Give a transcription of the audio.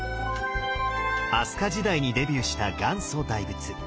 飛鳥時代にデビューした元祖大仏。